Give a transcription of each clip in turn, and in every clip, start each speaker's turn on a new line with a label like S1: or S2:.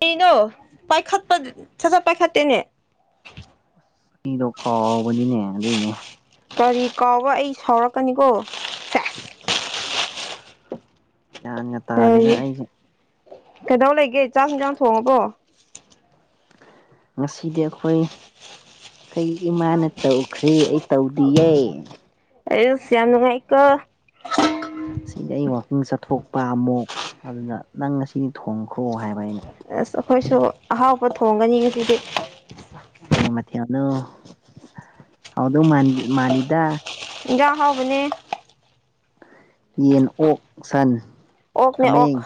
S1: ꯀꯩꯅꯣ ꯄꯥꯏꯈꯠꯄ ꯁꯠꯊ ꯄꯥꯏꯈꯠꯇꯦꯅꯦ
S2: ꯑꯩꯗꯣ ꯀꯥꯎꯕꯅꯤꯅꯦ ꯑꯗꯨꯏꯅꯦ
S1: ꯀꯔꯤ ꯀꯥꯎꯕ ꯑꯩ ꯁꯥꯎꯔꯛꯀꯅꯤꯀꯣ ꯁꯦꯁ
S2: ꯒ꯭ꯌꯥꯟꯒ ꯇꯥꯗꯦꯗ
S1: ꯀꯔꯤ
S2: ꯑꯩꯁꯦ
S1: ꯀꯩꯗꯧ ꯂꯩꯒꯦ ꯆꯥꯛ ꯅꯨꯡ ꯌꯥꯝ ꯊꯣꯡꯉꯕꯣ
S2: ꯉꯁꯤꯗꯤ ꯑꯩꯈꯣꯏ ꯑꯩꯩ ꯏꯃꯥꯅ ꯇꯧꯈ꯭꯭ꯔꯔꯤ ꯑꯩ ꯇꯧꯗꯤꯌꯦꯦ
S1: ꯑꯦꯁꯤꯅ ꯉꯥꯏꯀꯣ
S2: ꯑꯁꯤꯗꯤ ꯑꯩ ꯋꯥꯛꯀꯤꯡ ꯆꯠꯊꯣꯛꯄ ꯑꯃꯨꯛ ꯑꯗꯨꯅ ꯅꯪ ꯉꯁꯤꯗꯤ ꯊꯣꯡꯈ꯭ꯔꯣ ꯍꯥꯏꯕ ꯑꯩꯅ
S1: ꯑꯁ ꯑꯩꯈꯣꯏꯁꯨ ꯑꯍꯥꯎꯕ ꯊꯣꯡꯒꯅꯤ ꯉꯁꯤꯗꯤ
S2: ꯀꯩ ꯃꯊꯤꯅꯨ ꯍꯥꯎꯗ ꯃꯥ ꯃꯥꯂꯤꯗ
S1: ꯌꯦꯟꯖꯥꯡ ꯍꯥꯎꯕꯅꯦ
S2: ꯌꯦꯟ ꯑꯣꯛ ꯁꯟ
S1: ꯑꯣꯛꯅꯦ ꯑꯣꯛ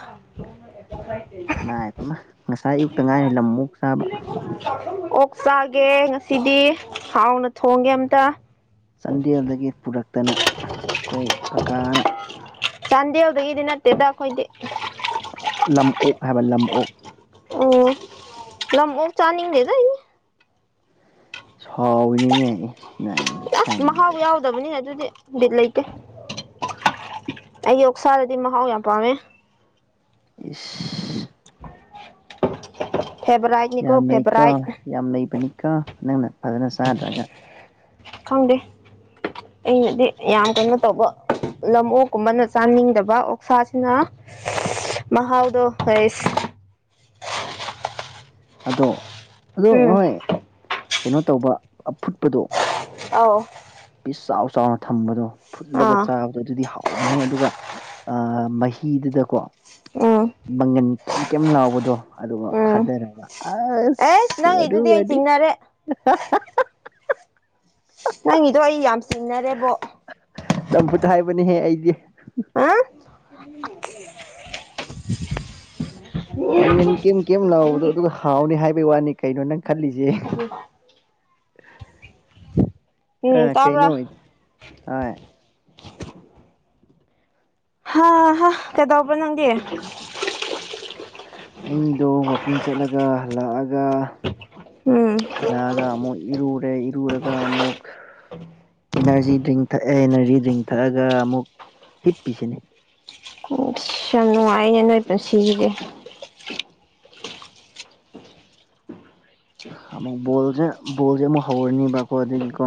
S2: ꯥꯏꯃ ꯉꯁꯥꯏ ꯑꯌꯨꯛꯇ ꯉꯥꯏꯔꯤ ꯂꯝ ꯃꯨꯛ ꯁꯥꯥꯕ
S1: ꯑꯣꯛ ꯆꯥꯒꯦ ꯉꯁꯤꯗꯤ ꯍꯥꯎꯅ ꯊꯣꯡꯒꯦ ꯑꯃꯝꯇ
S2: ꯆꯥꯟꯗꯦꯜꯗꯒꯤ ꯄꯨꯔꯛꯇꯅ ꯑꯩꯈꯣꯏ ꯀꯀꯥꯅ
S1: ꯆꯥꯟꯗꯦꯜꯗꯒꯤꯗꯤ ꯅꯠꯇꯦꯗ ꯑꯩꯈꯣꯏꯗꯤ
S2: ꯂꯝ ꯑꯣꯣꯛ ꯍꯥꯏꯕ ꯂꯝ ꯑꯣꯣꯛꯣꯛ
S1: ꯎ ꯂ ꯆꯥꯅꯤꯡꯅꯤꯔ
S2: ꯁꯕꯅꯤꯅꯦ
S1: ꯑꯁ ꯃꯍꯥꯎ ꯌꯥꯎꯗꯕꯅꯤꯅ ꯑꯗꯨꯗꯤꯗꯤꯠ ꯂꯩꯇꯦ ꯑꯩ ꯑꯣꯛꯁꯥꯗꯗꯤ ꯃꯍꯥꯎ ꯌꯥꯝ ꯄꯥꯝꯃꯦ
S2: ꯎ
S1: ꯐꯦꯚꯣꯔꯥꯏꯠꯅꯤꯀꯣ
S2: ꯌꯥꯝ ꯂꯩꯀꯣ
S1: ꯐꯦꯚꯣꯔꯥꯏꯠ
S2: ꯌꯥꯝ ꯂꯩꯕꯅꯤꯀꯣ ꯅꯪꯅ ꯐꯖꯅ ꯆꯥꯗ꯭ꯔꯒ
S1: ꯈꯪꯗꯦ ꯑꯩꯅꯗꯤ ꯌꯥꯝ ꯀꯩꯅꯣ ꯇꯧꯕ ꯂꯝ ꯑꯣꯣꯛꯀꯨꯝꯕꯅ ꯆꯥꯅꯤꯡꯗꯕ ꯑꯣꯛꯁꯥꯁꯤꯅ ꯃꯍꯍꯥꯎꯗ ꯑꯁ
S2: ꯑꯗꯣ ꯑꯗꯣ
S1: ꯎꯝ
S2: ꯅꯣꯏ ꯀꯩꯅꯣ ꯇꯧꯕ ꯑꯐꯨꯠꯄꯗꯣ
S1: ꯑꯥꯎ
S2: ꯄꯤꯁ ꯆꯥꯎ ꯆꯥꯎꯅ ꯊꯝꯕꯗꯣ ꯐꯨꯠꯂꯒ
S1: ꯑꯥ
S2: ꯆꯥꯕꯗꯣ ꯑꯗꯨꯗꯤ ꯀꯅꯦ ꯑꯗꯨꯒ ꯑ ꯃꯍꯤꯗꯨꯗꯀꯣ
S1: ꯑ
S2: ꯀꯩ ꯀꯩꯌꯥꯝ ꯂꯥꯎꯕꯗꯣ ꯑꯗꯨꯒ ꯈꯥꯗꯔꯔꯕ
S1: ꯑꯦꯁ
S2: ꯑꯁ ꯑꯣꯏ
S1: ꯅꯪꯒꯤꯗꯨꯗꯤ ꯑꯩ
S2: ꯑꯣꯏꯗꯤ
S1: ꯆꯤꯡꯅꯔꯦ ꯅꯪꯒꯤꯗꯣ ꯑꯩ ꯌꯥꯝ ꯆꯤꯡꯅꯔꯦꯕꯣ
S2: ꯆꯝꯐꯨꯠ ꯍꯥꯏꯕꯅꯦꯍꯦ ꯑꯩꯗꯤ
S1: ꯑ
S2: ꯃꯪꯒꯟ ꯀꯔꯤꯝ ꯀꯦꯝꯝ ꯂꯥꯎꯕꯗꯣ ꯑꯗꯨꯒ ꯍꯥꯎꯅꯤ ꯍꯥꯏꯕꯒꯤ ꯋꯥꯅꯤ ꯀꯩꯅꯣ ꯅꯪ ꯈꯜꯂꯤꯁꯦ
S1: ꯎꯝ
S2: ꯑ
S1: ꯇꯥꯕ꯭ꯔ
S2: ꯀꯩꯅꯣ ꯍꯣꯏ
S1: ꯍꯥꯥ ꯍꯥ ꯀꯗꯕ ꯅꯒꯤ
S2: ꯑꯩꯗꯣ ꯋꯥꯛꯀꯤꯡ ꯆꯠꯂꯒ ꯂꯥꯛꯑꯒ
S1: ꯎꯝ
S2: ꯍꯜꯂꯛꯑꯒ ꯑꯃꯨꯛ ꯏꯔꯨꯔꯦ ꯏꯔꯨꯔꯒ ꯑꯃꯨꯛ ꯏꯅꯔꯖꯤ ꯗ꯭ꯔꯤꯡ ꯊꯛꯑꯦ ꯏꯅꯔꯖꯤ ꯗ꯭ꯡ ꯊꯛꯑꯒ ꯑꯃꯨꯛ ꯍꯤꯞꯄꯤꯁꯤꯅꯤ
S1: ꯑꯁ ꯌꯥꯝ ꯅꯨꯡꯉꯥꯏꯅꯦ ꯅꯣꯏ ꯄꯨꯟꯁꯤꯒꯤꯗꯤ
S2: ꯑꯃꯨꯛ ꯕꯣꯜꯁꯦ ꯕꯣꯜꯁꯦ ꯑꯃꯨꯛ ꯍꯧꯔꯅꯤꯕꯀꯣ ꯑꯗꯨꯗꯒꯤꯀꯣ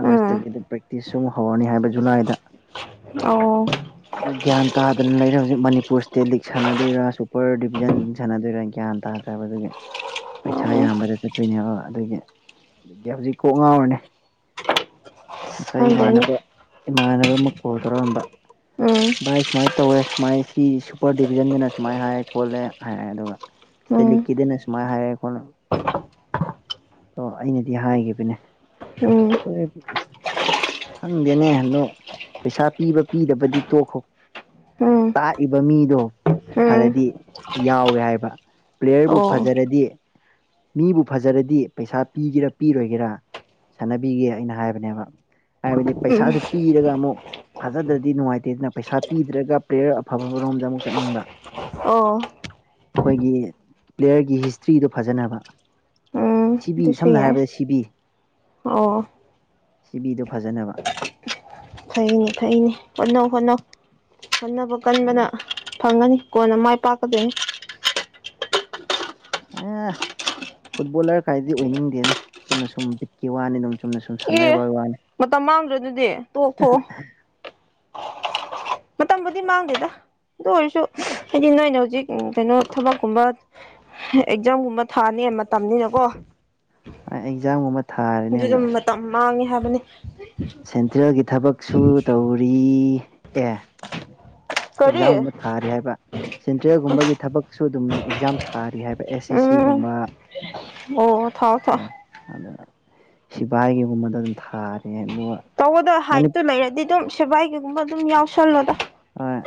S1: ꯎꯝ
S2: ꯑꯗꯨ ꯄ꯭ꯔꯦꯛꯇꯤꯁꯁꯨ ꯑꯃ ꯍꯧꯔꯅꯤ ꯍꯥꯏꯕ ꯖꯨꯂꯥꯏꯗ
S1: ꯑꯣ
S2: ꯑꯗꯨ ꯒ꯭ꯌꯥꯟ ꯇꯥꯗꯅ ꯂꯩꯔꯦ ꯍꯧꯖꯤꯛ ꯃꯅꯤꯄꯨꯔ ꯏꯁꯇꯦꯠ ꯂꯤꯛ ꯁꯥꯟꯅꯗꯣꯏꯔꯥ ꯁꯨꯄꯔ ꯗꯤꯕꯤꯖꯟ ꯁꯥꯟꯅꯗꯣꯏꯔꯥ ꯌꯥ ꯒ꯭ꯌꯥꯟ ꯇꯥꯗ꯭ꯔꯦꯕ ꯑꯗꯨꯒꯤ ꯄꯩꯁꯥ
S1: ꯑꯣ
S2: ꯌꯥꯝꯕꯗ ꯆꯠꯇꯣꯏꯅꯦꯕ ꯑꯗꯨꯒꯤ ꯑꯗꯒꯤ ꯍꯧꯖꯤꯛ ꯀꯣꯛ ꯉꯥꯎꯔꯅꯦ ꯉꯁꯥꯏ
S1: ꯈꯪꯗꯦꯅꯦ
S2: ꯏꯃꯥꯟꯅꯕ ꯏꯃꯥꯟꯅꯕ ꯑꯃ ꯀꯣꯜ ꯇꯧꯔꯛꯑꯝꯕ
S1: ꯎꯝ
S2: ꯚꯥꯏ ꯁꯨꯃꯥꯏꯅ ꯇꯧꯋꯦ ꯁꯨꯃꯥꯏ ꯁꯤ ꯁꯨꯄꯔ ꯗꯤꯚꯖꯟꯗꯅ ꯁꯨꯃꯥꯏꯅ ꯍꯥꯏ ꯈꯣꯠꯂꯦ ꯍꯥꯏꯔꯑꯦ ꯑꯗꯨꯒ ꯁꯤ
S1: ꯎꯝ
S2: ꯂꯈꯤꯗꯅ ꯁ ꯃꯥꯥꯏ ꯍꯥꯏꯔ ꯑꯩꯈꯣꯟꯅ ꯑꯣ ꯑꯩꯅꯗꯤ ꯍꯥꯏꯈꯤꯕꯅꯦ
S1: ꯎꯝ
S2: ꯑꯩꯈꯣꯏ ꯈꯪꯗꯦꯅꯦ ꯑ ꯅꯣ ꯄꯩꯁꯥ ꯄꯤꯕ ꯄꯤꯗꯕꯗꯤ ꯇꯣꯛꯈꯣ
S1: ꯎꯝ
S2: ꯇꯥꯛꯏꯕ ꯃꯤꯗꯣ
S1: ꯎꯝ
S2: ꯐꯔꯗꯤ ꯌꯥꯎꯋꯦ ꯍꯥꯏꯕ ꯄ꯭ꯂꯦꯌꯔꯕꯨ
S1: ꯑꯣ
S2: ꯐꯖꯔꯗꯤ ꯃꯤꯕꯨ ꯐꯖꯔꯗꯤ ꯄꯩꯁꯥ ꯄꯤꯒꯦꯔꯥ ꯄꯤꯔꯣꯏꯒꯦꯔꯥ ꯁꯥꯟꯅꯕꯤꯒꯦ ꯑꯩꯅ ꯍꯥꯏꯕꯅꯦꯕ ꯍꯥꯏꯕꯗꯤ
S1: ꯎꯝ
S2: ꯄꯩꯁꯥꯁꯨ ꯄꯤꯔꯒ ꯑꯃꯨꯛ ꯐꯥꯖꯗ꯭ꯔꯗꯤ ꯅꯨꯡꯉꯥꯏꯇꯦ ꯑꯗꯨꯅ ꯄꯩꯁꯥ ꯄꯤꯗ꯭ꯔꯒ ꯄ꯭ꯂꯦꯌꯔ ꯑꯐꯕꯔꯣꯝꯗ ꯑꯃꯨꯛ ꯆꯠꯅꯤꯡꯕ
S1: ꯑꯣ
S2: ꯑꯩꯈꯣꯏꯒꯤ ꯄ꯭ꯂꯦꯌꯔꯒꯤ ꯍꯤꯁꯇ꯭ꯔꯤꯗꯣ ꯐꯖꯅꯕ
S1: ꯎꯝ
S2: ꯁꯤꯕꯤ
S1: ꯑꯗꯨꯁꯨ
S2: ꯁꯝꯅ
S1: ꯌꯥꯏ
S2: ꯍꯥꯏꯔꯕꯗ ꯁꯤꯕꯤ
S1: ꯑꯣ
S2: ꯁꯤꯚꯤꯗꯣ ꯐꯖꯅꯕ
S1: ꯐꯩꯅꯤ ꯐꯩꯅꯤ ꯍꯣꯠꯅꯧ ꯍꯣꯠꯅꯧ ꯍꯣꯠꯅꯕ ꯀꯟꯕꯅ
S2: ꯑꯗꯒꯤ
S1: ꯐꯪꯉꯅꯤ ꯀꯅ ꯃꯥꯏ ꯄꯥꯛꯀꯗ
S2: ꯑꯦ ꯐꯨꯠꯕꯣꯂꯔ ꯀꯥꯏꯗꯤ ꯑꯣꯏꯅꯤꯡꯗꯦꯅ ꯆꯨꯝꯅ ꯁꯨꯝ ꯕꯤꯠꯀꯤ ꯋꯥꯅꯤ ꯑꯗꯨꯝ ꯆꯨꯝꯅ ꯁꯨꯝ
S1: ꯑꯦ
S2: ꯁꯥꯟꯅꯔꯤꯕ ꯋꯥꯅꯤ
S1: ꯃꯇꯝ ꯃꯥꯡꯗ꯭ꯔꯦ ꯑꯗꯨꯗꯤ ꯇꯣꯛꯈꯣ ꯃꯇꯝꯕꯨꯗꯤ ꯃꯥꯡꯗꯦꯗ ꯑꯗꯨ ꯑꯣꯏꯔꯁꯨ ꯍꯥꯏꯗꯤ ꯅꯣꯏꯅ ꯍꯧꯖꯤꯛ ꯀꯩꯅꯣ ꯊꯕꯛꯀꯨꯝꯕ ꯑꯦꯛꯖꯥꯝꯒꯨꯝꯕ ꯊꯥꯅꯤ ꯃꯇꯝꯅꯤꯅꯀꯣ
S2: ꯑꯦꯛꯖꯥꯝꯒꯨꯝꯕ ꯊꯥꯔꯅꯦ
S1: ꯑꯗꯨ ꯑꯗꯨꯝ
S2: ꯍꯧꯖꯤꯛ
S1: ꯃꯇꯝ ꯃꯥꯡꯉꯦ ꯍꯥꯏꯕꯅꯤ
S2: ꯁꯦꯟꯇ꯭ꯔꯦꯜꯒꯤ ꯊꯕꯛꯁꯨ ꯇꯧꯔꯤ ꯑꯦ
S1: [inaudible]
S2: ꯑꯦꯛꯖꯥꯝꯒꯨꯝꯗ ꯊꯥꯔꯤ ꯍꯥꯏꯕ ꯁꯦꯟꯇ꯭ꯔꯦꯜꯒꯨꯝꯕꯒꯤ ꯊꯕꯛꯁꯨ ꯑꯗꯨꯝ ꯑꯦꯛꯖꯥꯝ ꯊꯥꯔꯤ ꯍꯥꯏꯕ ꯑꯦꯁ ꯑꯦꯁ
S1: ꯎꯝ
S2: ꯁꯤꯒꯨꯝꯕ
S1: ꯑꯣ ꯊꯥꯎ ꯊꯥꯎ
S2: ꯑꯗ ꯁꯤꯕꯥꯏꯒꯤꯒꯨꯝꯕꯗ ꯑꯗꯨꯝ ꯊꯥꯔꯦ ꯍꯥꯏꯅ
S1: ꯇꯧꯕꯗ ꯍꯥꯏꯠꯇꯣ ꯂꯩꯔꯗꯤ ꯑꯗꯨꯝ ꯁꯦꯕꯥꯏ ꯀꯩꯒꯨꯝꯕ ꯑꯗꯨꯝ ꯌꯥꯎꯁꯜꯂꯣꯗ
S2: ꯑꯣꯏ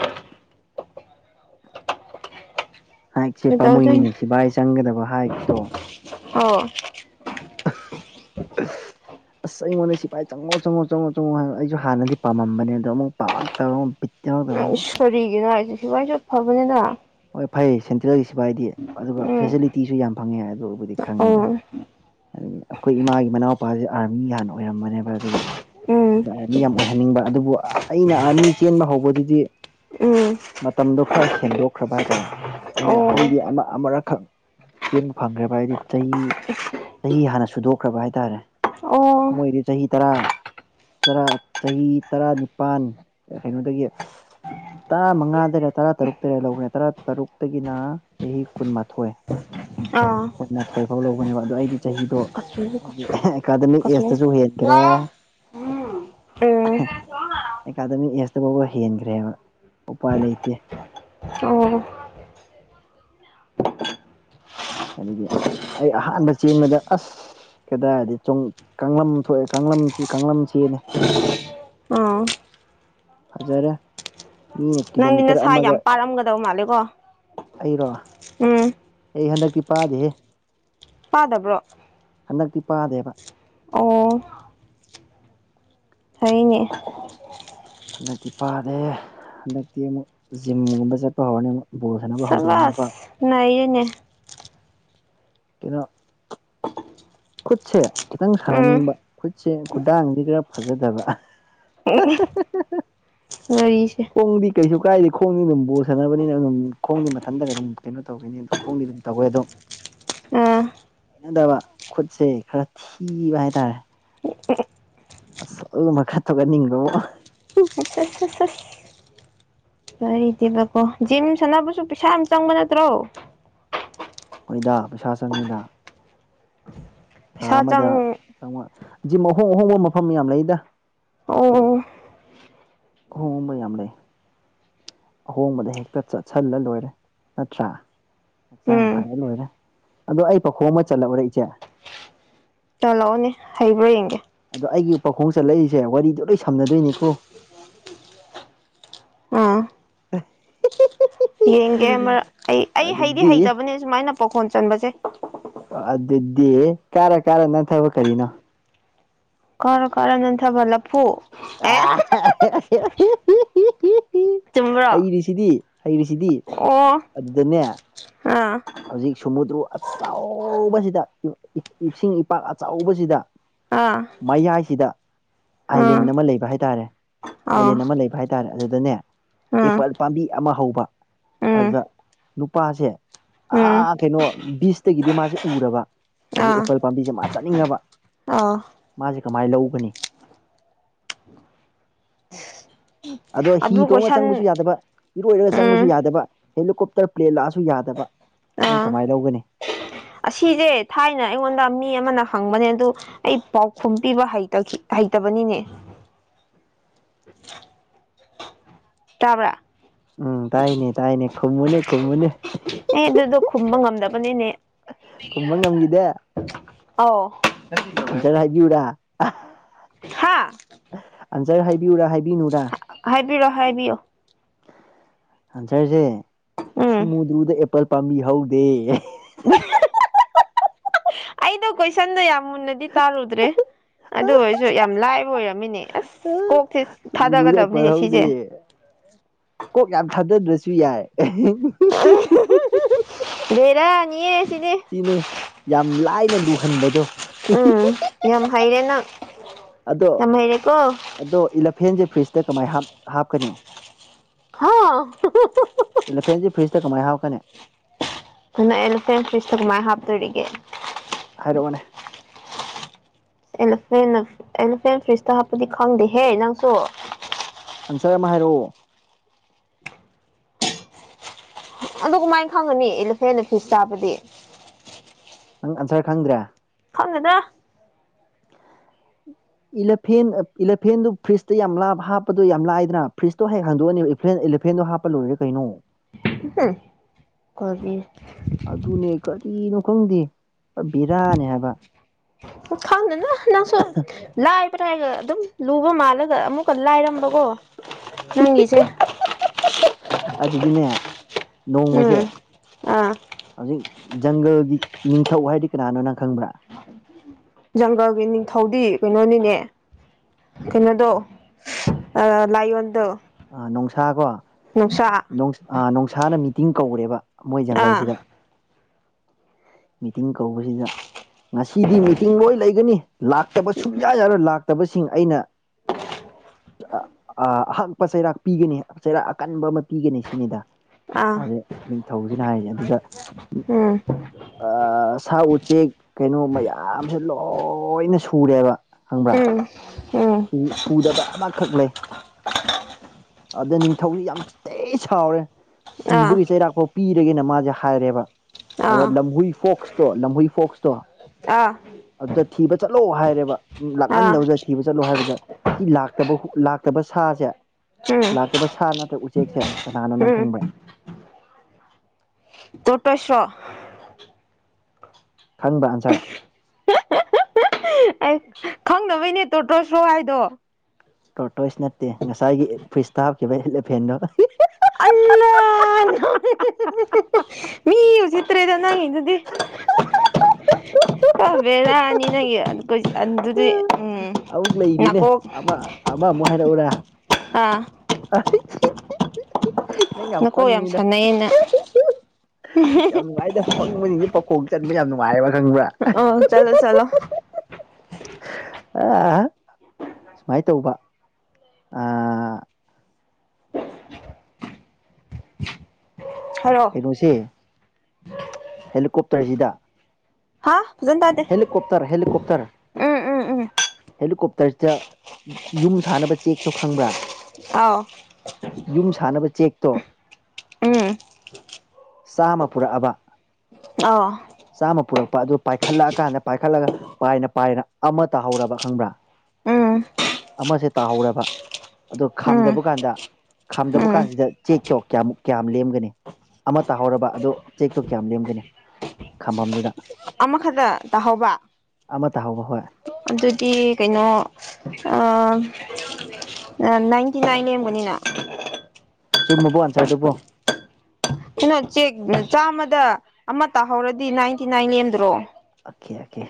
S2: ꯍꯥꯏꯛꯁꯦ
S1: ꯀꯩꯗꯧꯗꯣꯏꯅꯣ
S2: ꯄꯥꯝꯃꯨꯒꯤꯅꯦ ꯁꯤꯚꯥꯏ ꯆꯪꯒꯗꯕ ꯍꯥꯏꯛꯇꯣ
S1: ꯑꯣ
S2: ꯑ ꯑꯁ ꯑꯩꯉꯣꯟꯗ ꯁꯤꯐꯥꯏ ꯆꯪꯉꯣ ꯆꯪꯉꯣ ꯆꯪꯉꯛꯑꯣ ꯆꯪꯉꯣ ꯑꯩꯁꯨ ꯍꯥꯟꯅꯗꯤ ꯄꯥꯝꯃꯝꯕꯅꯦ ꯑꯣ ꯑꯃꯨꯛ ꯄꯥꯝꯃꯛꯇꯕ ꯑꯃꯨꯛ ꯌꯥꯎꯗꯕ ꯑꯃꯨꯛ
S1: ꯏꯁꯣꯔꯤꯒꯤꯅ ꯑꯩꯁꯨꯦ ꯍꯋꯥꯏꯁꯨꯠ ꯐꯕꯅꯤꯅ
S2: ꯍꯣꯏ ꯐꯩ ꯁꯦꯟꯇ꯭ꯔꯦꯜꯒꯤ ꯁꯤꯐ ꯍꯥꯏꯗꯤ ꯑꯗꯨꯒ
S1: ꯎꯝ
S2: ꯐꯦꯁꯤꯂꯤꯇꯤꯁꯨ ꯌꯥꯝ ꯐꯪꯉꯦ ꯑꯗꯨꯕꯨꯗꯤ ꯈꯪꯉꯤꯅ
S1: ꯑꯣ
S2: ꯑꯗꯒꯤ ꯑꯩꯈꯣꯏ ꯏꯃꯥꯒꯤ ꯃꯅꯥꯎꯄꯥꯁꯦ ꯑꯥꯔꯃꯤ ꯍꯥꯟꯅ ꯑꯣꯏꯔꯝꯕꯅꯦꯕ ꯑꯗꯒꯤ
S1: ꯎꯝ
S2: ꯗ ꯑꯥꯔꯃꯤ ꯌꯥꯝ ꯑꯣꯏꯍꯟꯅꯤꯡꯕ ꯑꯗꯨꯕꯨ ꯑꯩꯅ ꯑꯥꯔꯃꯤ ꯆꯦꯟꯕ ꯍꯧꯕꯗꯨꯗꯤ
S1: ꯎꯝ
S2: ꯃꯇꯝꯗꯣ ꯈꯔ ꯍꯦꯟꯗꯣꯛ ꯈ꯭ꯔꯕ ꯍꯥꯏꯇꯥꯔꯦ ꯑꯩꯅ
S1: ꯑꯣ
S2: ꯑꯩꯗꯤ ꯑꯃ ꯑꯃꯨꯔꯛꯈꯛ ꯆꯦꯟꯕ ꯐꯪꯈ꯭ꯔꯦꯕ ꯍꯥꯏꯗꯤ ꯆꯍꯤ ꯆꯍꯤ ꯍꯥꯟꯅ ꯁꯨꯗꯣꯛꯈ꯭ꯔꯕ ꯍꯥꯏꯇꯥꯔꯦ
S1: ꯑꯣ
S2: ꯃꯣꯏꯗꯤ ꯆꯍꯤ ꯇꯔꯥ ꯔꯥ ꯆꯍꯤ ꯇꯔꯥꯅꯤꯄꯥꯜ ꯀꯩꯅꯣꯗꯒꯤ ꯇꯔꯥꯃꯉꯥꯗꯔ ꯇꯔꯥ ꯇꯔꯨꯛꯇꯔ ꯂꯧꯔꯦ ꯇꯔꯥꯇꯔꯨꯛꯇꯒꯤꯅ ꯆꯍꯤ ꯀꯨꯟꯃꯥꯊꯣꯏ
S1: ꯑꯥ
S2: ꯀꯨꯟꯃꯥꯊꯣꯏ ꯐꯥꯎ ꯂꯧꯕꯅꯦꯕ ꯑꯣ ꯑꯩꯒꯤ ꯆꯍꯤꯗꯣ
S1: ꯀꯆꯨ
S2: ꯑꯩꯒꯤ
S1: ꯀꯆꯨ
S2: ꯑꯦꯀꯥꯗꯃꯤꯛ
S1: ꯀꯆꯨ
S2: ꯑꯦꯖꯇꯁꯨ ꯍꯦꯟꯜꯂꯤ ꯀ꯭ꯔꯦ
S1: ꯎꯝ ꯎꯝ
S2: ꯑꯦꯀꯥꯗꯃꯤꯛ ꯑꯦꯖꯇ ꯐꯥꯎꯕ ꯍꯦꯟꯈ꯭ꯔꯦꯕ ꯎꯄꯥꯏ ꯂꯩꯇꯦ
S1: ꯑꯣ
S2: ꯑꯗꯒꯤ ꯑꯩ ꯑꯍꯥꯟꯕ ꯆꯦꯟꯕꯗ ꯑꯁ ꯀꯩꯗꯥ ꯍꯥꯏꯔꯗꯤ ꯆ ꯀꯥꯡ ꯊꯣꯛꯑꯦ ꯀꯥꯡꯁꯤ ꯀꯥꯡꯁꯤꯅꯦ
S1: ꯑꯥ
S2: ꯐꯖꯔꯦ ꯃꯤꯅ
S1: ꯅꯪꯗꯤ
S2: ꯀꯤꯂꯣꯃꯤꯇꯔ
S1: ꯅꯁꯥ
S2: ꯑꯃꯒ
S1: ꯌꯥꯝ ꯄꯥꯔꯝꯒꯗꯧ ꯃꯥꯜꯂꯦꯀꯣ
S2: ꯑꯩꯔꯣ
S1: ꯎꯝ
S2: ꯑꯩ ꯍꯟꯗꯛꯇꯤ ꯄꯥꯗꯦꯍꯦ
S1: ꯄꯥꯗꯕ꯭ꯔꯣ
S2: ꯍꯟꯗꯛꯇꯤ ꯄꯥꯗꯦꯕ
S1: ꯑꯣ ꯍꯅꯦ
S2: ꯍꯟꯗꯛꯇꯤ ꯄꯥꯗꯦ ꯍꯟꯗꯛꯇꯤ ꯑꯃꯨꯛ ꯖꯤꯝꯒꯨꯝꯕ ꯆꯠꯄ ꯍꯧꯔꯅꯤ ꯑꯃꯨꯛ ꯕꯣꯜ ꯁꯥꯟꯅꯕ ꯍꯧꯗꯣꯏꯅꯤ ꯑꯃꯨꯛꯀ
S1: ꯆꯕꯁ ꯅꯩꯅꯅꯦ
S2: ꯀꯩꯅꯣ ꯈꯨꯠꯁꯦ ꯈꯤꯇꯪ
S1: ꯎꯝ
S2: ꯁꯥꯟꯅꯅꯤꯡꯕ ꯈꯨꯠꯁꯦ ꯈꯨꯗꯥꯡꯁꯤ ꯈꯔ ꯐꯖꯗꯕ
S1: ꯅꯨꯪꯉꯥꯏꯔꯦꯁꯦ
S2: ꯀꯥꯏꯗꯤ ꯈꯣꯡꯗꯤ ꯑꯗꯨꯝ ꯣ ꯁꯥꯟꯅꯕꯅꯤꯅ ꯑꯗꯨꯝ ꯈꯣꯡꯗꯤ ꯃꯊꯟꯗꯒ ꯑꯗꯨꯝ ꯀꯩꯅꯣ ꯇꯧꯈꯤꯅꯤ ꯈꯣꯡꯗꯤ ꯑꯗꯨꯝ ꯇꯧꯋꯦ ꯑꯗꯨꯝ
S1: [unintelligible]
S2: ꯑꯩꯅꯗꯕ ꯈꯨꯠꯁꯦ ꯈꯔ ꯊꯤꯕ ꯍꯥꯏꯇꯥꯔꯦ ꯃꯁ ꯃ ꯀꯥ ꯇꯒ ꯅꯤꯡꯉꯣ
S1: ꯑꯁ ꯀꯔꯤꯗꯦꯕꯀꯣ ꯖꯤꯝ ꯁꯥꯟꯅꯕꯁꯨ ꯄꯩꯁꯥ ꯌꯥꯝ ꯆꯪꯕ ꯅꯠꯇ꯭ꯔꯣ
S2: ꯍꯈꯣꯏꯗ ꯄꯩꯁꯥ ꯆꯪꯉꯤꯗ ꯊꯥ
S1: ꯄꯩꯁꯥ
S2: ꯑꯃꯗꯪ
S1: ꯆꯪ
S2: ꯖꯤꯝ ꯑꯍꯣꯡ ꯑꯍꯣꯡꯕ ꯃꯐꯝ ꯌꯥꯝ ꯂꯩꯗ
S1: ꯑꯣ
S2: ꯍꯣꯡꯕ ꯌꯥꯝꯅꯦ ꯑꯍꯣꯡꯕꯗ ꯍꯦꯛꯇ ꯆꯠꯁꯜꯂ ꯂꯣꯏꯔꯦ ꯅꯠꯇ꯭ꯔꯥ ꯍꯛꯆꯥꯡ
S1: ꯎꯝ
S2: ꯐꯔꯦ ꯂꯣꯏꯔꯦ ꯑꯗꯣ ꯑꯩ ꯄꯥꯈꯣꯡ ꯑꯃ ꯆꯠꯂꯎꯨꯔꯦ ꯏꯆꯦ
S1: ꯆꯂꯧꯅꯦ ꯍꯩꯕ꯭ꯔꯣ ꯌꯦꯦ
S2: ꯑꯗ ꯑꯩꯒꯤ ꯄꯥꯈꯣꯡ ꯆꯠꯂꯛꯏꯁꯦ ꯋꯥꯔꯤꯗꯨ ꯂꯣꯏ ꯁꯝꯅꯗꯣꯏꯅꯤꯀꯣ
S1: ꯑꯥ
S2: [unintelligible]
S1: ꯌꯦꯡꯒꯦ ꯑꯩ ꯑꯩ ꯍꯩꯗꯤ
S2: ꯑꯗꯨꯗꯤ
S1: ꯍꯩꯇꯕꯅꯦ ꯁꯨꯃꯥꯏꯅ ꯄꯈꯣꯟ ꯆꯟꯕꯁꯦ
S2: ꯑꯗꯨ ꯑꯗꯨꯗꯤ ꯀꯥꯔꯥ ꯀꯥꯔ ꯅ ꯊꯕ ꯀꯔꯤꯅꯣ
S1: ꯀꯔ ꯀꯔ ꯅꯥꯜ ꯊꯕ ꯂꯥꯐꯨ
S2: [unintelligible]
S1: ꯆꯨꯝꯕ꯭ꯔꯣ
S2: ꯍꯩꯔꯤꯁꯤꯗꯤ ꯍꯩꯔꯤꯁꯤꯗꯤ
S1: ꯑꯣ
S2: ꯑꯗꯨꯗꯅꯦ
S1: ꯑꯥ
S2: ꯍꯧꯖꯤꯛ ꯁꯃꯨꯗ꯭ꯔꯨ ꯑꯆꯕꯁꯤꯗ ꯏꯁꯤꯡ ꯏꯄꯥꯛ ꯑꯆꯧꯕꯕꯁꯤꯗ
S1: ꯑꯥ
S2: ꯃꯌꯥꯏꯁꯤꯗ
S1: ꯎꯝ
S2: ꯑꯥꯏꯂꯦꯟ ꯑꯃ ꯂꯩꯕ ꯍꯥꯏ ꯇꯔꯦ
S1: ꯑꯥ
S2: ꯑꯥꯏꯂꯦꯟ ꯑꯃ ꯂꯩꯕ ꯍꯥꯏ ꯇꯔꯦ ꯑꯗꯨꯗꯅꯦ
S1: ꯎꯝ
S2: ꯑꯦꯄꯜ ꯄꯥꯝꯕꯤ ꯑꯃ ꯍꯧꯕ
S1: ꯎꯝ
S2: ꯑꯗꯨꯗ ꯅꯨꯄꯥꯁꯦ
S1: ꯎꯝ
S2: ꯑ ꯀꯩꯅꯣ ꯕꯤꯁꯇꯒꯤꯗꯤ ꯃꯥꯁꯦ ꯎꯔꯕ ꯍꯧꯖꯤꯛ
S1: ꯑꯥ
S2: ꯑꯦꯄꯜ ꯄꯥꯝꯕꯤꯁꯦ ꯃꯥ ꯆꯠꯅꯤꯡꯉꯕ
S1: ꯑꯥ
S2: ꯃꯥꯁꯦ ꯀꯃꯥꯏꯅ ꯂꯧꯒꯅꯤ
S1: [unintelligible]
S2: ꯑꯗꯣ ꯍꯤ
S1: ꯑꯗꯨ
S2: ꯇꯣꯡꯉꯒ
S1: ꯀꯣꯏꯁꯟ
S2: ꯆꯪꯕꯁꯨ ꯌꯥꯗꯕ ꯏꯔꯣꯏꯔꯒ
S1: ꯎꯝ
S2: ꯆꯪꯕꯁꯨ ꯌꯥꯗꯕ ꯍꯦꯂꯤꯀꯣꯞꯇꯔ ꯄ꯭ꯂꯦꯟ ꯂꯥꯛꯑꯁꯨ ꯌꯥꯗꯕ ꯅꯪ
S1: ꯑꯥ
S2: ꯀꯃꯥꯏꯅ ꯂꯧꯒꯅꯤ
S1: ꯑꯁꯤꯁꯦ ꯊꯥꯏꯅ ꯑꯩꯉꯣꯟꯗ ꯃꯤ ꯑꯃꯅ ꯐꯪꯕꯅꯦ ꯑꯗꯨ ꯑꯩ ꯄꯥꯎꯈꯨꯝ ꯄꯤꯕ ꯍꯩꯇꯕꯅꯤꯅꯦ [unintelligible] ꯇꯥꯕ꯭ꯔ
S2: ꯎꯝ ꯇꯥꯏꯅꯦ ꯇꯥꯏꯅꯦ ꯈꯨꯝꯨꯅꯤ ꯈꯨꯝꯨꯅꯦ
S1: ꯕꯅꯤꯅꯦ
S2: ꯈꯨꯝꯕꯥ ꯉꯝꯒꯤꯗꯦ
S1: ꯑꯧ
S2: ꯑꯟꯁꯔ ꯍꯥꯏꯕꯤ ꯌꯨꯔꯥ
S1: ꯍꯥ
S2: ꯑꯟꯁꯔ ꯍꯥꯏꯕꯤꯌꯨꯔꯥ ꯍꯥꯏꯕꯤꯅꯨꯔꯥ?
S1: ꯍꯥꯏꯕꯤꯔꯣ ꯍꯥꯏꯕꯤꯌꯣ
S2: ꯑꯟꯁꯔꯁꯦ
S1: ꯎꯝ
S2: ꯁꯨꯃꯨꯗ꯭ꯔꯨꯗꯥ ꯑꯦꯄꯜ ꯄꯥꯝꯕꯤ ꯑꯃꯇ ꯍꯧꯗꯦ
S1: ꯍꯥ ꯍꯥ ꯑꯩꯗꯣ ꯀꯣꯏꯁꯟꯗꯣ ꯌꯥꯝ ꯃꯨꯟꯅꯗꯤ ꯇꯥꯜꯔꯨꯗ꯭ꯔꯦ ꯑꯗꯨ ꯑꯣꯏꯔꯁꯨ ꯌꯥꯝꯅ ꯂꯥꯏꯕ ꯑꯣꯏꯔꯝꯃꯤꯅꯦ ꯑꯁ ꯀꯣꯛ ꯁꯦ
S2: ꯆꯔꯨꯗꯩ ꯄꯔꯍꯧꯗꯦ ꯀꯣꯛ ꯌꯥꯝ ꯊꯥꯗꯗ꯭ꯔꯁꯨ ꯌꯥꯏ [unintelligible] [unintelligible]
S1: ꯕꯦꯔꯥꯅꯤꯌꯦ ꯁꯤꯗꯤ
S2: ꯁꯤꯅꯦ ꯌꯥꯝ ꯂꯥꯏꯅ ꯂꯨꯍꯟꯕꯗꯣ ꯍꯤ
S1: ꯎꯝ
S2: ꯍꯤꯏꯏ
S1: ꯌꯥꯝ ꯍꯩꯔꯦ ꯅꯪ
S2: ꯑꯗꯣ
S1: ꯌꯥꯝ ꯍꯩꯔꯦꯀꯣ
S2: ꯑꯗꯣ ꯏꯂꯐꯦꯟꯁꯦ ꯐ꯭ꯔꯤꯖꯇ ꯀꯃꯥꯏ ꯍꯥꯞꯀꯅꯤ ꯍꯥꯞꯀꯅꯤ ꯈꯪꯕꯔꯥ?
S1: ꯍꯥꯥꯍꯍꯍꯍ
S2: ꯏꯂꯥꯐ꯭ꯔꯦꯟꯁꯤ ꯐ꯭ꯔꯤꯖꯇꯥ ꯀꯃꯥꯏꯅ ꯍꯥꯔꯛꯀꯅꯤ?
S1: ꯀꯧꯅꫭ ꯑꯦꯂꯁꯦꯟ ꯐꯔꯤꯖꯇꯥ ꯀꯨꯃꯥꯏ ꯍꯥꯞꯇꯧꯔꯤꯒ°
S2: ꯍꯥꯏꯔꯛꯑꯣꯅꯦ
S1: ꯑꯦꯂꯤꯐꯦꯟ ꯑꯦꯂꯤꯐꯦꯟꯅ ꯐ꯭ꯔꯤꯖꯇꯥ ꯍꯥꯞꯄꯗꯤ ꯈꯪꯗꯦꯍꯦ ꯅꯪꯁꯨ꯫
S2: ꯑꯟꯁꯔ ꯑꯃꯥ ꯍꯥꯏꯔꯛꯑꯣ꯫
S1: ꯑꯗꯨ ꯀꯃꯥꯏꯅ ꯈꯪꯉꯅꯤ ꯏꯂꯤꯐꯦꯟꯅ ꯐꯤꯁ ꯆꯥꯕꯗꯤ
S2: ꯅꯪ ꯑꯟꯁꯔ ꯈꯪꯗ꯭ꯔꯦ?
S1: ꯈꯪꯉꯦꯗꯥ!
S2: ꯏꯂꯦꯐꯦꯟ ꯏꯂꯦꯐꯦꯟꯗꯨ ꯐ꯭ꯔꯤꯖꯇ ꯌꯥꯝ ꯂꯥꯏꯅ ꯍꯥꯞꯄꯗꯣ ꯌꯥꯝ ꯂꯥꯏꯅ ꯐ꯭ꯔꯤꯖꯇꯣ ꯍꯦꯛ ꯍꯥꯡꯗꯣꯛꯑꯅꯦꯕ ꯑꯦꯂꯤꯐꯦꯟꯗꯣ ꯍꯥꯞꯄꯥꯒ ꯂꯣꯏꯔꯦ ꯀꯩꯅꯣ
S1: ꯍꯨꯝ ꯀꯔꯤ
S2: ꯑꯗꯨꯅꯦ ꯀꯔꯤꯅꯣ ꯈꯪꯗꯦ ꯅꯪꯁꯤ
S1: ꯈꯪꯗꯦ ꯗꯥ ꯅꯪꯁꯨ ꯔꯨꯕꯔ ꯍꯥꯏꯔꯒ ꯑꯗꯨꯝ ꯂꯨꯕ ꯃꯥꯜꯂꯒ ꯑꯃꯨꯛꯀ ꯂꯥꯏꯔꯝꯕꯀꯣ ꯅꯪꯒꯤꯁꯦ
S2: ꯅꯣꯡꯃꯁꯤ
S1: ꯎꯝ ꯑꯥ
S2: ꯍꯧꯖꯤꯛ ꯖꯪꯒꯜꯒꯤ ꯅꯤꯡꯊꯧ ꯍꯥꯏꯕꯗꯤ ꯀꯅꯥꯅꯣ ꯅꯪ ꯈꯪꯕ꯭ꯔꯥ?
S1: ꯖꯪꯒꯜꯒꯤ ꯅꯤꯡꯊꯧꯗꯤ ꯀꯩꯅꯣ ꯅꯤꯅ° ꯗꯥ ꯀꯩꯅꯣꯗꯣ ꯑꯥ ꯂꯥꯏꯌꯣꯟꯗꯣ꯫
S2: ꯑꯥꯑ ꯅꫭꯡꯁꯥ ꯀꯣ
S1: ꯅꯨꯡꯁꯥ
S2: ꯑꯥ ꯅꯣꯡꯁꯥꯅ ꯃꯤꯇꯤꯡ ꯀꯧꯔꯦꯕ ꯃꯣꯏ
S1: ꯑꯥ
S2: ꯖꯪꯒꯜꯁꯤꯗ ꯃꯤꯇꯤꯡ ꯀꯧꯕꯁꯤꯗ ꯉꯁꯤꯗꯤ ꯃꯤꯇꯤꯡ ꯂꯣꯏ ꯂꯩꯒꯅꯤ ꯂꯥꯛꯇꯕ ꯁꯨꯡꯌꯥ ꯌꯥꯔꯣꯏ ꯔꫭꯏꯅ ꯔꯥꯛꯇꯕꯁꯤꯡ ꯑꯩꯅ ꯑꯥꯠ ꯑꯍꯛꯄ ꯆꯩꯔꯥꯛ ꯄꯤꯒꯅꯤ ꯆꯩꯔꯥꯛ ꯑꯀꯟꯕ ꯑꯃ ꯄꯤꯒꯅꯤ ꯁꯤꯅꯤꯗꯥ
S1: ꯑꯥ
S2: ꯍꯧꯖꯤꯛꯀꯤ ꯅꯤꯡꯊꯧꯁꯤꯅ ꯍꯥꯏꯔꯤꯁꯦ ꯑꯗꯨꯗ
S1: ꯎꯝ
S2: ꯑꯥꯑ ꯁꯥ ꯎꯆꯦꯛ ꯀꯩꯅꯣ ꯃꯌꯥꯝꯁꯦ ꯂꯣꯏꯅ ꯁꯨꯔꯦꯕꯥ꯫ ꯈꯪꯕꯔꯥ
S1: ꯎꯝ ꯎꯝ
S2: ꯍꯧꯖꯤꯛ ꯁꯨꯗꯕ ꯑꯃꯈꯛ ꯂꯩ ꯑꯗ ꯅꯤꯡꯊꯧꯁꯤ ꯌꯥꯝ ꯊꯤꯅ ꯁꯥꯎꯔꯦ
S1: ꯑꯥ
S2: ꯁꯤꯕꯒꯤ ꯆꯩꯔꯥꯛꯐꯥꯎ ꯄꯤꯔꯒꯦꯅ ꯃꯥꯁꯦ ꯍꯥꯏꯔꯦꯕꯥ ꯑꯗꯥ
S1: ꯑꯥ
S2: ꯂꯝꯍꯨꯏ ꯐꯣꯛꯁꯇꯣ ꯂꯝꯍꯨꯏ ꯐꯣꯛꯁꯇꯣ!
S1: ꯑꯥꯑꯑ
S2: ꯑꯗꯨꯗ ꯊꯤꯕ ꯆꯠꯂꯣ ꯍꯥꯏꯔꯦꯕ ꯃꯤ ꯂꯥꯛꯃꯟꯗꯕꯗ ꯊꯤꯕ ꯆꯠꯂꯣ ꯍꯥꯏꯕꯗꫭ ꯐꯧꯖꯤꯛ ꯂꯥꯛꯇꯕ ꯂꯥꯛꯇꯕ ꯁꯥꯁꯦ
S1: ꯎꯝ
S2: ꯂꯥꯛꯇꯕ ꯁꯥ ꯅꯠꯇ꯭ꯔꯒ ꯎꯆꯦꯛꯁꯦ ꯀꯅꯥꯅꫭ ꯅꯪ
S1: ꯎꯝ
S2: ꯈꯪꯕꯔꯥ
S1: ꯇꯣꯇ ꯁꯣ [unintelligible]
S2: ꯈꯪꯕꯔꯥ ꯑꯟꯁꯔ
S1: ꯈꯪꯗꯥꯕꯩꯅ° ꯇꯣꯇ꯭ꯔꯣꯁꯨ꯭ꯔꯣ ꯍꯥꯏꯔꯤꯗꯣ
S2: ꯇꯣꯇꯣꯁ ꯅꯠꯇꯦ ꯉꯁꯥꯏꯒꯤ ꯐꯔꯤꯖꯇꯥ ꯍꯥꯞꯈꯤꯕ ꯑ°ꯔꯥꯚꯦꯟꯗꯣ
S1: ꯑꯂꯥ ꯃꯤ ꯎꯁꯤꯠꯇ꯭ꯔꯦꯗ ꯅꯪꯒꯤ ꯗꯨꯗꯤ ꯄꯥꯕꯦꯔꯥꯑꯅꯤ ꯅꯪꯒꯤꯗꯤ
S2: ꯑꯃꯨꯛ ꯂꯩꯔꯤꯅꯦ ꯑꯃ ꯑꯃ ꯑꯃꯨꯛ ꯍꯥꯏꯔꯛꯎꯔ
S1: ꯑꯥ
S2: ꯅꯪ
S1: ꯅꯀꯣꯛ ꯌꯥꯝ
S2: ꯌꯥꯝꯄꯪꯉꯤꯗ
S1: ꯁꯥꯟꯅꯩꯌꯦꯅ
S2: ꯌꯥꯝ ꯅꯨꯡꯉꯥꯏꯗ ꯄꯪꯕꯅꯤꯡꯁꯦ ꯄꯥꯈꯣꯡ ꯆꯟꯕ ꯌꯥꯝ ꯅꯨꯡꯉꯥꯏ ꯈꯪꯕ꯭ꯔ
S1: ꯑ ꯆꯠꯂꯣ ꯆꯠꯂꯣ
S2: ꯑ ꯁꯨꯃꯥꯏꯅ ꯇꯧꯕ ꯑ
S1: [inaudible] ꯍꯜꯂꯣ
S2: ꯀꯩꯅꯣꯁꯦ ꯍꯦꯂꯤꯀꯣꯞꯇꯔꯁꯤꯗ
S1: ꯍꯥ ꯐꯖꯅ ꯇꯥꯗꯦ
S2: ꯍꯦꯂꯤꯀꯣꯄꯇꯔ ꯍꯦꯂꯤꯀꯣꯄꯇꯔ
S1: ꯎꯝ ꯎꯝ ꯎꯝ
S2: ꯍꯦꯂꯤꯀꯣꯄꯇꯔ ꯌꯨꯝ ꯁꯥꯟꯅꯕ ꯆꯦꯛꯇꯣ ꯈꯪꯕ꯭ꯔꯥ
S1: ꯑꯥꯎ
S2: ꯌꯨꯝ ꯁꯥꯟꯅꯕ ꯆꯦꯛꯇꯣ
S1: ꯎꯝ
S2: ꯆꯥꯝꯃ ꯄꯨꯔꯛꯑꯕ
S1: ꯑꯥꯎ
S2: ꯆꯥꯝꯃ ꯄꯨꯔꯛꯄ ꯑꯗꯨ ꯄꯥꯏꯈꯠꯂꯛ ꯀꯥꯟꯗ ꯄꯥꯏꯈꯠꯂꯒ ꯄꯥꯏꯅ ꯄꯥꯏꯅ ꯑꯃ ꯇꯥꯍꯧꯔꯕ ꯈꯪꯕ꯭ꯔꯥ
S1: ꯎꯝ
S2: ꯑꯃꯁꯦ ꯇꯥꯍꯧꯔꯕ ꯑꯗꯣ
S1: ꯎꯝ
S2: ꯈꯥꯝꯗꯕ ꯀꯥꯟꯗ ꯈꯥꯝꯗꯕ
S1: ꯎꯝ
S2: ꯀꯥꯟꯁꯤꯗ ꯆꯦꯛꯇꯣ ꯀꯌꯥꯃꯨꯛ ꯀꯌꯥꯝ ꯂꯦꯝꯒꯅꯤ ꯑꯃ ꯇꯥꯍꯧꯔꯕ ꯑꯗꯣ ꯆꯦꯛꯇꯣ ꯀꯌꯥꯝ ꯂꯦꯝꯒꯅꯤ ꯈꯝꯕꯝꯗꯨꯗ
S1: ꯑꯃꯈꯛꯇ ꯇꯥꯍꯧꯕ
S2: ꯑꯃ ꯇꯥ ꯍꯥꯎꯕ ꯍꯣꯏ
S1: ꯑꯗꯨꯗꯤ ꯀꯩꯅꯣ ꯑꯥ ꯅꯥꯏꯟꯇꯤ ꯅꯥꯏꯟ ꯂꯦꯝꯕꯅꯤꯅ
S2: ꯆꯨꯝꯃꯕꯣ ꯑꯟꯁꯔꯗꯨꯕꯣ
S1: ꯀꯩꯅ ꯆꯦꯛ ꯆꯥꯝꯃꯗ ꯑꯃ ꯇꯥꯍꯧꯔꯗꯤ ꯅꯥꯏꯟꯇꯤ ꯅꯥꯏꯟ ꯅꯦꯝꯗ꯭ꯔꯣ
S2: ꯑꯣꯀꯦ ꯑꯣꯀꯦ